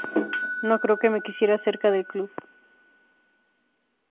No creo que me quisiera cerca del club".